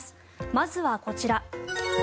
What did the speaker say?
まずは、こちら。